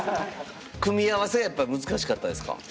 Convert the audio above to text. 組み合わせやっぱ難しかったですか？